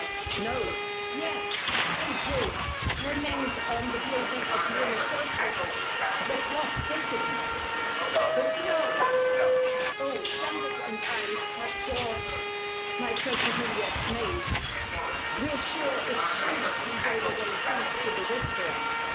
"No. Yes! By Jove, her name's on the building of the Inner Circle! The plot thickens." "But how?" "Oh, Sanders and I have caught my cousin Juliet's maid. We're sure it's she who gave away things to the 'Whisperer.'